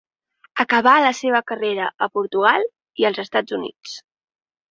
Acabà la seva carrera a Portugal i els Estats Units.